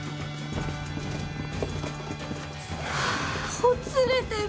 はぁほつれてる。